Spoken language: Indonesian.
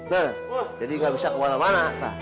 nah jadi gak bisa kemana mana tak